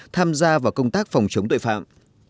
tham gia vào công tác phòng chống tội phạm